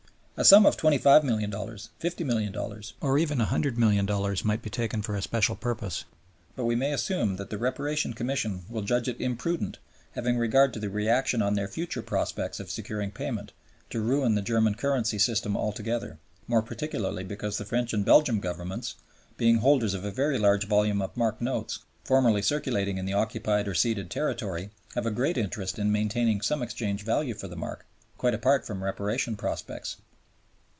A sum of $25,000,000, $50,000,000, or even $100,000,000 might be taken for a special purpose. But we may assume that the Reparation Commission will judge it imprudent, having regard to the reaction on their future prospects of securing payment, to ruin the German currency system altogether, more particularly because the French and Belgian Governments, being holders of a very large volume of mark notes formerly circulating in the occupied or ceded territory, have a great interest in maintaining some exchange value for the mark, quite apart from Reparation prospects.